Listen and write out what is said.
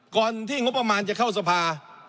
ก่อนที่งบประมาณจะเข้าสภา